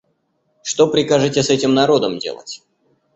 Что прикажете с этим народом делать?